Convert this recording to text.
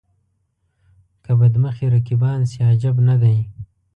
که بد مخي رقیبان شي عجب نه دی.